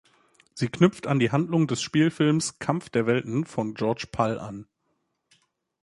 Sie knüpft an die Handlung des Spielfilms "Kampf der Welten" von George Pal an.